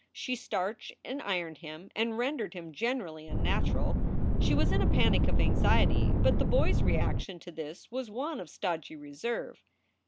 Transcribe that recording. She starched and ironed him and rendered him generally unnatural. She was in a panic of anxiety, but the boy s reaction to this was one of stodgy reserve.